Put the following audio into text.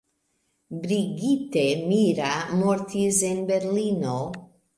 Brigitte Mira mortis en Berlino.